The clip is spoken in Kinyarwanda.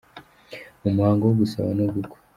Mu muhango wo gusaba no gukwa.